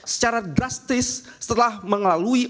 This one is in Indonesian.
secara drastis setelah mengalami